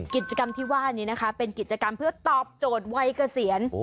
กิจกรรมที่ว่านี้นะคะเป็นกิจกรรมเพื่อตอบโจทย์วัยเกษียณ